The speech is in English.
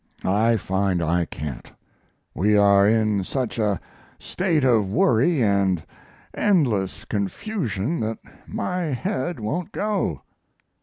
I find I can't. We are in such a state of worry and endless confusion that my head won't go.